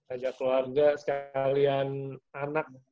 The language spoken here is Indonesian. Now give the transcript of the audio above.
aja keluarga sekalian anak